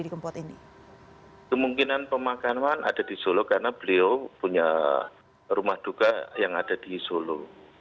kemungkinan pemakaman ada di solo karena beliau punya rumah duka yang ada di solo